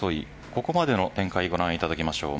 ここまでの展開をご覧いただきましょう。